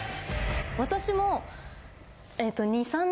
私も。